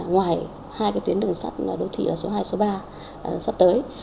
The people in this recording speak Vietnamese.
ngoài hai cái tuyến đường sắt đô thị số hai số ba sắp tới